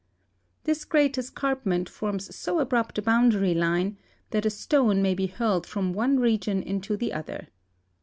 This great escarpment forms so abrupt a boundary line that a stone may be hurled from one region into the other.